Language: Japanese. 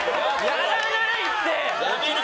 やらないって！